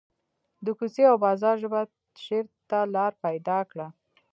د کوڅې او بازار ژبه شعر ته لار پیدا کړه